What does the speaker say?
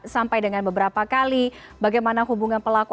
sampai dengan beberapa kali bagaimana hubungan pelaku